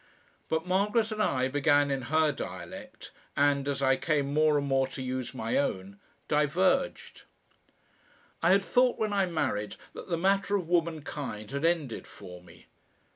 But Margaret and I began in her dialect, and, as I came more and more to use my own, diverged. I had thought when I married that the matter of womankind had ended for me.